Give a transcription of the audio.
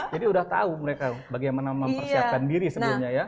jadi udah tau mereka bagaimana mempersiapkan diri sebelumnya ya